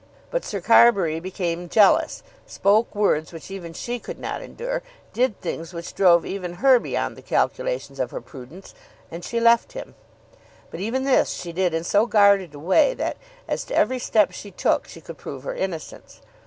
But Sir Carbury became jealous, spoke words which even she could not endure, did things which drove even her beyond the calculations of her prudence, and she left him. But even this she did in so guarded a way that, as to every step she took, she could prove her innocence.